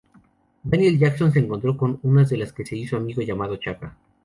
Daniel Jackson se encontró con un Unas del que se hizo amigo, llamado Chaka.